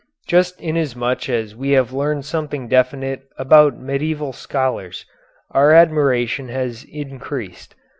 Just inasmuch as we have learned something definite about the medieval scholars, our admiration has increased.